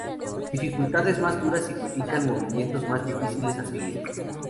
Dificultades más duras significan movimientos más difíciles a seguir.